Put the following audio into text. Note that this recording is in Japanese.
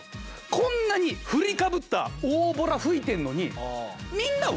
こんなに振りかぶった大ぼら吹いてんのに。